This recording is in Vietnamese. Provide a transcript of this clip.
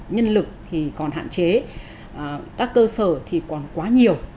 nhân lực còn hạn chế các cơ sở còn quá nhiều